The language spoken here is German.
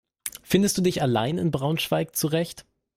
Findest du dich allein in Braunschweig zurecht?